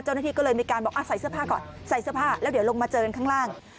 เจ้าหน้าที่ก็เลยมีการบอกใส่เสื้อผ้าก่อนใส่เสื้อผ้าแล้วเดี๋ยวลงมาเจอกันข้างล่าง